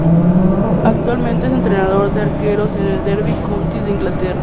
Actualmente es entrenador de arqueros en el Derby County de Inglaterra.